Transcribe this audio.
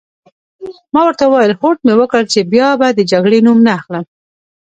ما ورته وویل: هوډ مي وکړ چي بیا به د جګړې نوم نه اخلم.